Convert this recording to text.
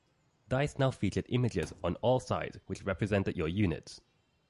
Dice now featured images on all sides which represented your units.